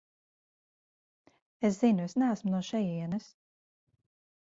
Es zinu, es neesmu no šejienes.